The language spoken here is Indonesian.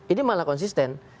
ini malah konsisten